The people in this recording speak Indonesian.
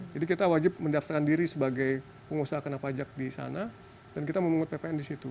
jadi kita wajib mendaftarkan diri sebagai pengusaha kena pajak di sana dan kita memungut ppn di situ